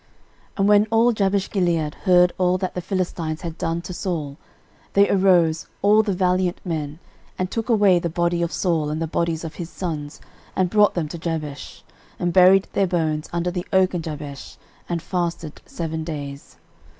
13:010:011 And when all Jabeshgilead heard all that the Philistines had done to Saul, 13:010:012 They arose, all the valiant men, and took away the body of Saul, and the bodies of his sons, and brought them to Jabesh, and buried their bones under the oak in Jabesh, and fasted seven days.